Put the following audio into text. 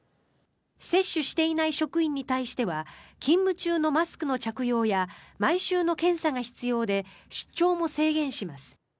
接種していない職員に対しては勤務中のマスクの着用や毎週の検査が必要で出張も制限します。